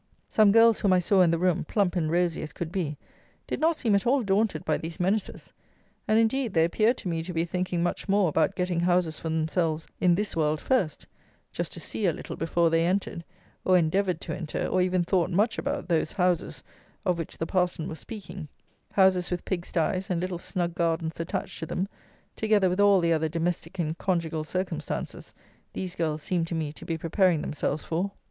Some girls whom I saw in the room, plump and rosy as could be, did not seem at all daunted by these menaces; and, indeed, they appeared to me to be thinking much more about getting houses for themselves in this world first; just to see a little before they entered, or endeavoured to enter, or even thought much about, those "houses" of which the parson was speaking: houses with pig styes and little snug gardens attached to them, together with all the other domestic and conjugal circumstances, these girls seemed to me to be preparing themselves for.